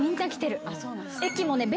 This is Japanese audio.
駅もね。